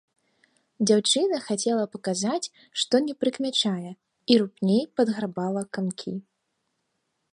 Дзяўчына хацела паказаць, што не прыкмячае, і рупней падграбала камкі.